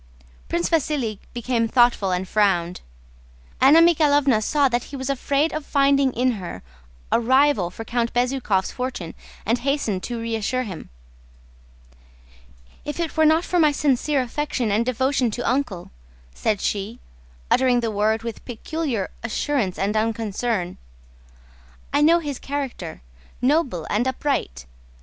Prince Vasíli became thoughtful and frowned. Anna Mikháylovna saw that he was afraid of finding in her a rival for Count Bezúkhov's fortune, and hastened to reassure him. "If it were not for my sincere affection and devotion to Uncle," said she, uttering the word with peculiar assurance and unconcern, "I know his character: noble, upright ...